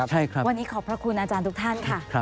วันนี้ขอบพระคุณอาจารย์ทุกท่านค่ะ